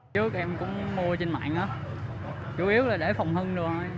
chúng em cũng mua trên mạng đó chủ yếu là để phòng hưng được thôi